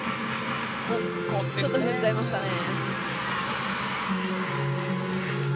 ちょっと踏んじゃいましたね。